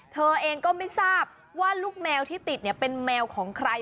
เธอเองก็ไม่ทราบว่าลูกแมวที่ติดเป็นแมวของใคร